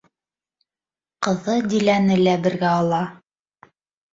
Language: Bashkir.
Ҡыҙы Диләне лә бергә ала.